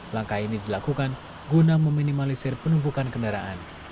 langkah ini dilakukan guna meminimalisir penumpukan kendaraan